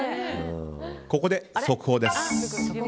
ここで速報です。